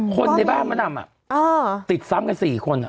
คนในบ้านมะดำติดซ้ำกัน๔คน